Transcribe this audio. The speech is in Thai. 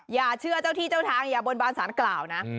อย่าเชื่อเจ้าที่เจ้าทางอย่าบนบานสารกล่าวนะ